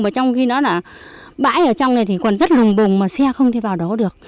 mà trong khi nói là bãi ở trong này thì còn rất lùng bùng mà xe không thể vào đó được